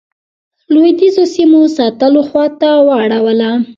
لوېدیځو سیمو ساتلو خواته واړوله.